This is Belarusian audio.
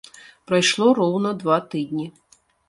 Прайшло роўна два тыдні.